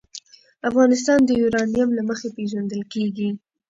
افغانستان د یورانیم له مخې پېژندل کېږي.